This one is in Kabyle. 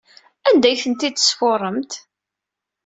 Anda ay tent-id-tesfuṛemt?